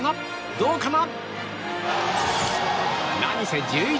どうかな。